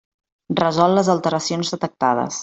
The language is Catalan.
Resol les alteracions detectades.